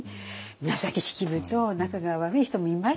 紫式部と仲が悪い人もいます。